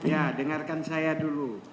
ya dengarkan saya dulu